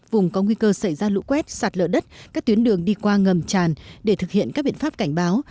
vùng có nguy cơ xảy ra lũ quét sạt lỡ đất các tuyến đường đi qua ngầm tràn để thực hiện các biện pháp cảnh báo